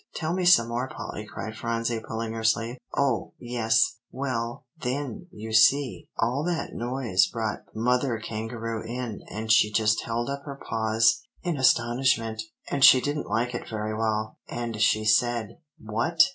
"Tell me some more, Polly," cried Phronsie, pulling her sleeve. "Oh, yes well, then, you see, all that noise brought Mother Kangaroo in; and she just held up her paws in astonishment. And she didn't like it very well; and she said, 'What!